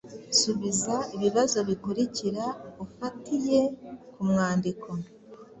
Subiza ibibazo bikurikira ufatiye ku mwandiko: